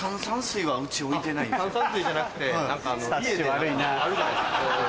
炭酸水じゃなくて何か家であるじゃないですか。